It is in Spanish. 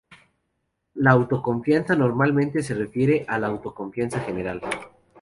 La autoconfianza normalmente se refiere a la autoconfianza general.